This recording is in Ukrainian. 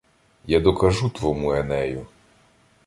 Я докажу твому Енею...